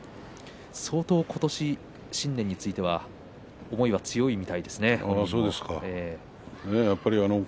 相当、今年新年については思いは強いみたいですね、阿武咲。